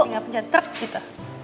tinggal pencet trk gitu